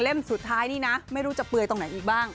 สุดท้ายนี่นะไม่รู้จะเปลือยตรงไหนอีกบ้าง